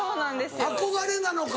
憧れなのか。